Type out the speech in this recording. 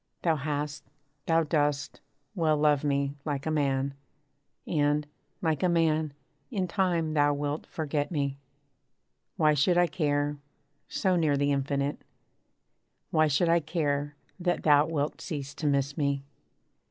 Thou hast, thou dost, well love me, like a man: And, like a man, in time thou wilt forget me. Why should I care, so near the Infinite Why should I care, that thou wilt cease to miss me?